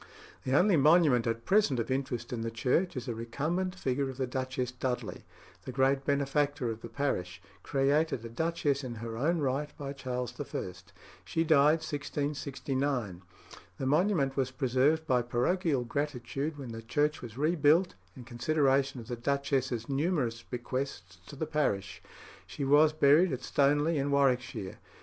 The only monument at present of interest in the church is a recumbent figure of the Duchess Dudley, the great benefactor of the parish, created a duchess in her own right by Charles I. She died 1669. The monument was preserved by parochial gratitude when the church was rebuilt, in consideration of the duchess's numerous bequests to the parish. She was buried at Stoneleigh in Warwickshire.